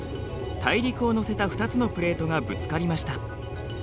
大陸を載せた２つのプレートがぶつかりました。